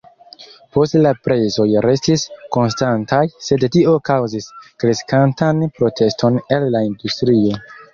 Poste la prezoj restis konstantaj, sed tio kaŭzis kreskantan proteston el la industrio.